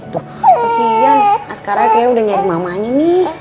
kasian askara kayaknya udah nyari mamanya nih